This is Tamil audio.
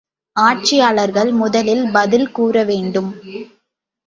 ஆட்சியாளர்கள் முதலில் பதில் கூறவேண்டும்.